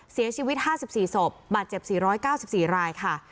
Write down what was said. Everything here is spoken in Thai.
เสียชีวิต๕๔ศพบาดเจ็บ๔๙๔รายค่ะ